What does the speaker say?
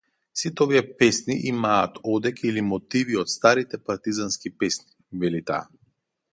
Сите овие песни имаат одек или мотиви од старите партизански песни, вели таа.